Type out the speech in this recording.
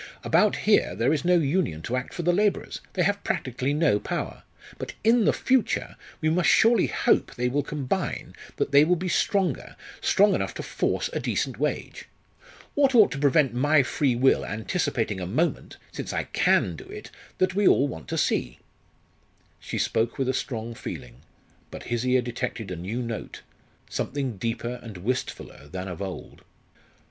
About here there is no union to act for the labourers they have practically no power. But in the future, we must surely hope they will combine, that they will be stronger strong enough to force a decent wage. What ought to prevent my free will anticipating a moment since I can do it that we all want to see?" She spoke with a strong feeling; but his ear detected a new note something deeper and wistfuller than of old.